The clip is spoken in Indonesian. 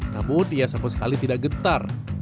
namun ia sama sekali tidak gentar